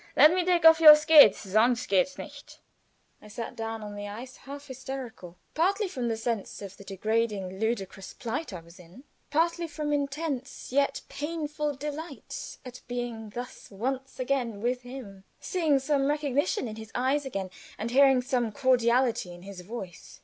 Let me take off your skates sonst geht's nicht." I sat down upon the ice, half hysterical, partly from the sense of the degrading, ludicrous plight I was in, partly from intense yet painful delight at being thus once more with him, seeing some recognition in his eyes again, and hearing some cordiality in his voice.